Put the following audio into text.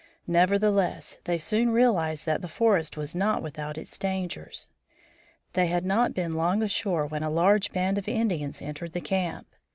Nevertheless, they soon realized that the forest was not without its dangers. They had not been long ashore when a large band of Indians entered the camp.